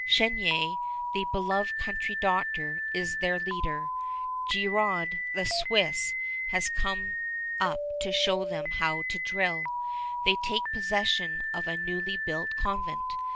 Chenier, the beloved country doctor, is their leader. Girod, the Swiss, has come up to show them how to drill. They take possession of a newly built convent.